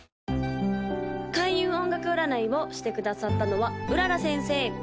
・開運音楽占いをしてくださったのは麗先生